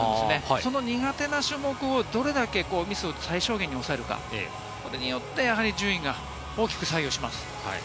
その苦手な種目をどれだけミスを最小限に抑えるか、それによって順位が大きく左右します。